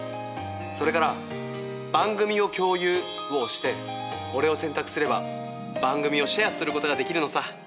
それから「番組を共有」を押して俺を選択すれば番組をシェアすることができるのさ。